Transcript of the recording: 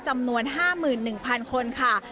จำนวน๕๑๐๐๐คนค่ะ